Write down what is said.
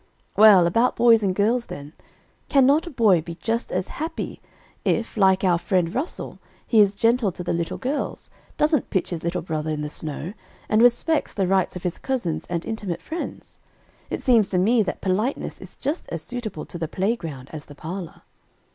"Well, about boys and girls, then. Can not a boy be just as happy, if, like our friend Russel, he is gentle to the little girls, doesn't pitch his little brother in the snow, and respects the rights of his cousins and intimate friends? It seems to me that politeness is just as suitable to the playground as the parlor."